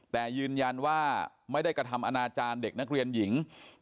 แต่ยืนยันว่าไม่ได้กระทำอนาจารย์เด็กนักเรียนหญิง